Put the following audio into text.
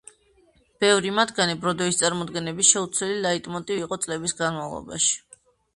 ბევრი მათგანი ბროდვეის წარმოდგენების შეუცვლელი ლაიტმოტივი იყო წლების განმავლობაში.